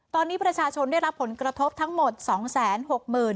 ตอนนี้ประชาชนได้รับผลกระทบทั้งหมดสองแสนหกหมื่น